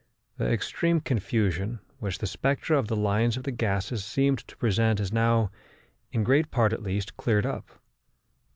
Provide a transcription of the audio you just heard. The extreme confusion which the spectra of the lines of the gases seemed to present is now, in great part at least, cleared up.